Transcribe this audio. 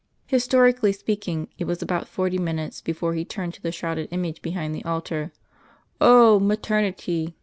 Historically speaking, it was about forty minutes before He turned to the shrouded image behind the altar. "Oh! Maternity!"